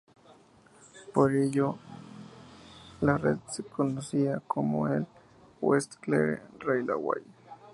Por ello la red se conocía como el West Clare Railway.